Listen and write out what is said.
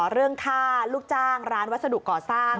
เรื่องฆ่าลูกจ้างร้านวัสดุก่อสร้าง